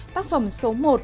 tác phẩm số một